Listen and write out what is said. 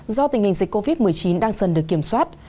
do tình hình dịch covid một mươi chín đang dần được kiểm soát